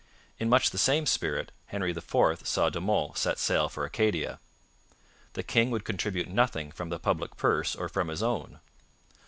In much the same spirit Henry IV saw De Monts set sail for Acadia. The king would contribute nothing from the public purse or from his own.